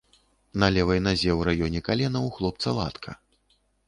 На левай назе ў раёне калена ў хлопца латка.